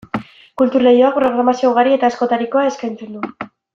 Kultur Leioak programazio ugari eta askotarikoa eskaintzen du.